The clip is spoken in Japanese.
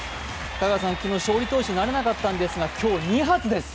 香川さん、昨日勝利投手になれなかったんですけど、今日、２発です。